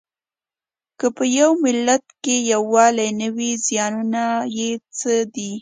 که په یوه ملت کې یووالی نه وي زیانونه یې څه دي؟